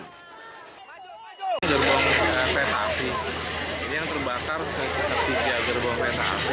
gerbong kereta api ini yang terbakar sekitar tiga gerbong kereta api